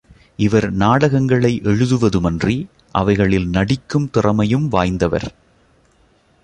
இவர் நாடகங்களை எழுதுவதுமன்றி, அவைகளில் நடிக்கும் திறமையும் வாய்ந்தவர்.